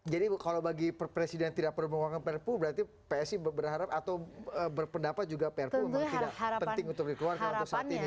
jadi kalau bagi presiden tidak perlu mengeluarkan prpu berarti psi berharap atau berpendapat juga prpu memang tidak penting untuk dikeluarkan untuk saat ini ya